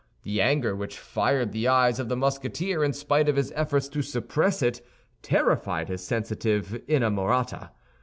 The anger which fired the eyes of the Musketeer, in spite of his efforts to suppress it, terrified his sensitive inamorata.